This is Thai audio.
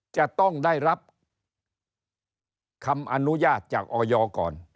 จะต้องได้รับคำอนุญาตจากออยก่อน